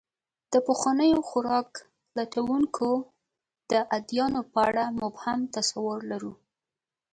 د پخوانیو خوراک لټونکو د ادیانو په اړه مبهم تصور لرو.